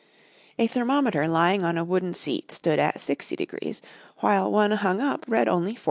A thermometer lying on a wooden seat stood at 60°, while one hung up read only 48°.